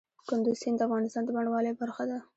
کندز سیند د افغانستان د بڼوالۍ برخه ده.